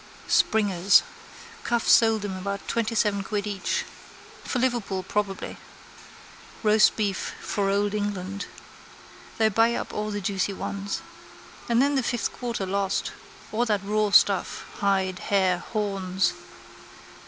Springers. Cuffe sold them about twentyseven quid each. For Liverpool probably. Roastbeef for old England. They buy up all the juicy ones. And then the fifth quarter lost: all that raw stuff, hide, hair, horns.